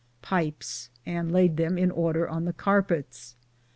'] pipes and Laid them in order on the carpites.